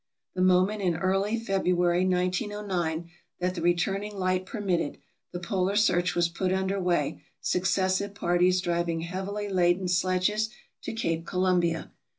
The moment in early February, 1909, that the returning light permitted, the polar search was put under way, successive parties driving heavily laden sledges to Cape Columbia.